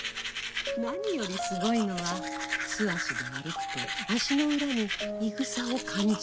何よりすごいのは素足で歩くと足の裏にイグサを感じる。